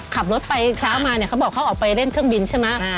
ขับรถไปเช้ามาเนี่ยเขาบอกเขาออกไปเล่นเครื่องบินใช่ไหม